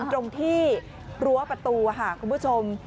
ตรงที่รั้วประตูค่ะคุณผู้ชม